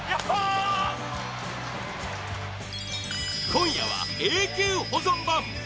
今夜は永久保存版！